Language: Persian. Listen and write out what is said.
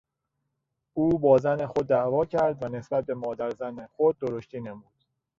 او با زن خود دعوا کرد و نسبت به مادرزن خود درشتی نمود.